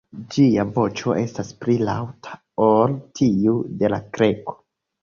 Ĝia voĉo estas pli laŭta ol tiu de la Kreko.